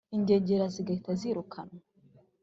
ingegera zigahita zirukanwa